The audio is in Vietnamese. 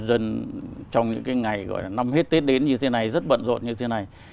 dân trong những ngày năm hết tết đến như thế này rất bận rộn như thế này